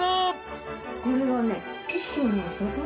これはね。